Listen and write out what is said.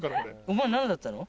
お前何だったの？